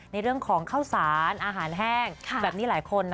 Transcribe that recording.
ในเรื่องของข้าวสารอาหารแห้งแบบนี้หลายคน